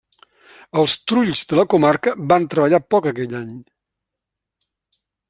Els trulls de la comarca van treballar poc aquell any.